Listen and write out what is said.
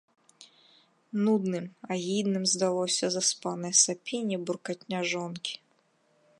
Нудным, агідным здалося заспанае сапенне і буркатня жонкі.